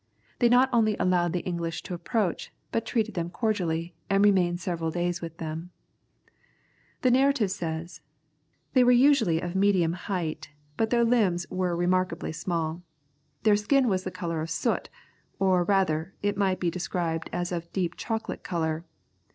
They not only allowed the English to approach, but treated them cordially, and remained several days with them. [Illustration: "They were kangaroos."] The narrative says, "They were usually of medium height, but their limbs were remarkably small. Their skin was the colour of soot, or rather, it might be described as of deep chocolate colour.